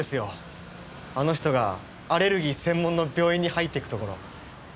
あの人がアレルギー専門の病院に入っていくところ。